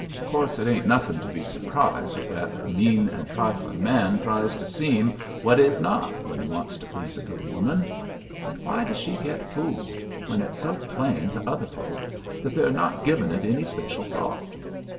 Of course it ain't nothing to be surprised at that a mean and triflin' man tries to seem what he is not when he wants to please a good woman. But why does she get fooled, when it's so plain to other folks that are not givin' it any special thought?